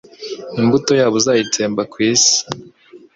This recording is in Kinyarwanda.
Imbuto yabo uzayitsemba ku isi